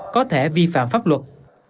để vi phạm pháp luật